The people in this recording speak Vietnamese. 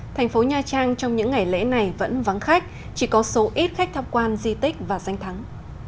thành phố nha trang trong những ngày lễ này vẫn vắng khách chỉ có số ít khách tham quan di tích và danh thắng